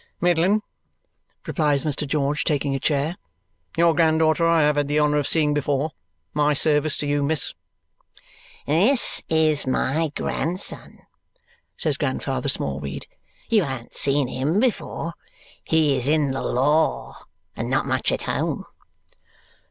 "Middling," replies Mr. George, taking a chair. "Your granddaughter I have had the honour of seeing before; my service to you, miss." "This is my grandson," says Grandfather Smallweed. "You ha'n't seen him before. He is in the law and not much at home."